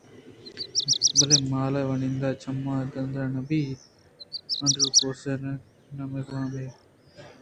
بلے مال واہُند ءِ چمّاں اندر نہ بیت اینڈروکِلس اینڈروکِلس نامیں غلامے